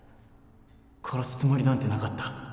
殺すつもりなんてなかった